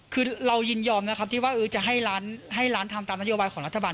คือเรายินยอมนะครับที่ว่าจะให้ร้านทำตามนโยบายของรัฐบาล